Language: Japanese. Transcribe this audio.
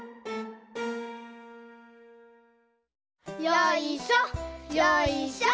よいしょよいしょっと。